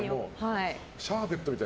シャーベットみたい。